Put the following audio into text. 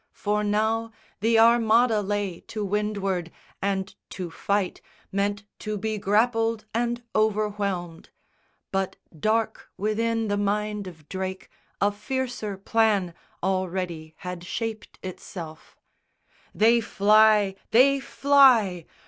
For now The Armada lay to windward, and to fight Meant to be grappled and overwhelmed; but dark Within the mind of Drake, a fiercer plan Already had shaped itself. "They fly! They fly!"